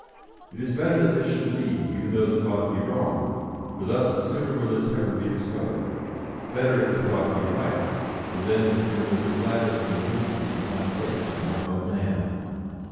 It is better that this should be, even though the thought be wrong, for thus the sooner will its error be discovered better if the thought be right, for then the sooner does the gladness of a new truth find place in the heart of man.